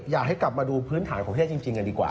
อยากให้กลับมาดูพื้นฐานของประเทศจริงกันดีกว่า